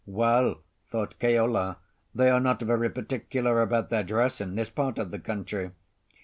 "Well!" thought Keola, "they are not very particular about their dress in this part of the country."